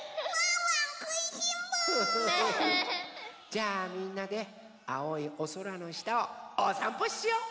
じゃあみんなであおいおそらのしたをおさんぽしよう！